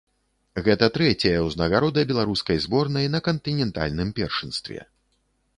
Гэта трэцяя ўзнагарода беларускай зборнай на кантынентальным першынстве.